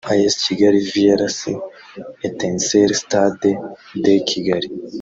As Kigali vs Etincelles(Stade de Kigali)